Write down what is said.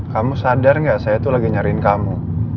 kamu sadar nggak saya tuh lagi nyariin kamu